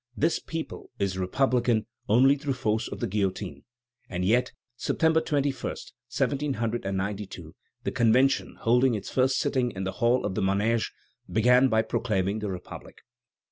This people is republican only through force of the guillotine." And yet, September 21, 1792, the Convention, holding its first sitting in the Hall of the Manège, began by proclaiming the Republic.